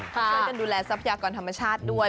เขาช่วยกันดูแลทรัพยากรธรรมชาติด้วย